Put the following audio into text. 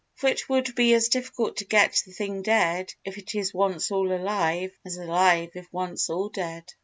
For it would be as difficult to get the thing dead if it is once all alive, as alive if once all dead.